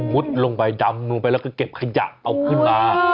ลงไปดำลงไปแล้วก็เก็บขยะเอาขึ้นมา